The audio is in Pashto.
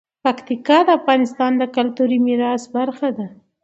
پکتیکا د افغانستان د کلتوري میراث برخه ده.